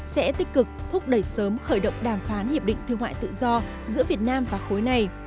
sẽ tích cực thúc đẩy sớm khởi động đàm phán hiệp định thương mại tự do giữa việt nam và khối này